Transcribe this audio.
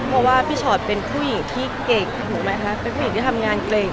เพราะว่าพี่ชอตเป็นผู้หญิงที่เก่งถูกไหมคะเป็นผู้หญิงที่ทำงานเก่ง